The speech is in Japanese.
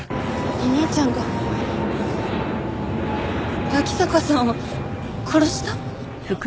お兄ちゃんが脇坂さんを殺した？